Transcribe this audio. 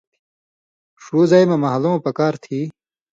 ݜُو زئ مہ مھالٶں پکار تھی